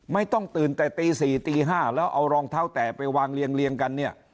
ไม่ต้องตื่นแต่ตี๔ตี๕แล้วเอารองเท้าแตะไปวางเรียงกันเนี่ย